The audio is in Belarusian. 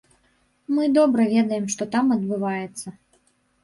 Мы добра ведаем, што там адбываецца.